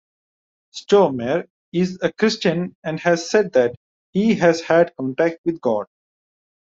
Stormare is a Christian and has said that he has had contact with God.